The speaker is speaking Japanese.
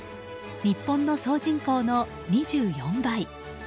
日本の総人口の２４倍。